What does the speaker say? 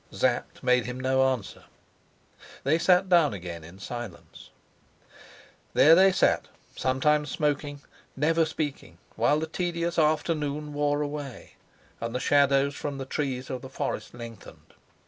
Sapt made him no answer. They sat down again in silence. There they sat, sometimes smoking, never speaking, while the tedious afternoon wore away, and the shadows from the trees of the forest lengthened.